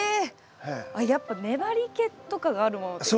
あっやっぱ粘りけとかがあるものっていいんですね。